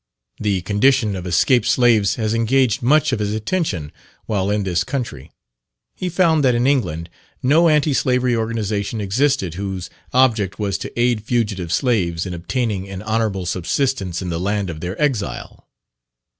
The condition of escaped slaves has engaged much of his attention while in this country. He found that in England no anti slavery organization existed whose object was to aid fugitive slaves in obtaining an honourable subsistence in the land of their exile.